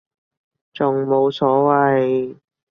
仲冇所謂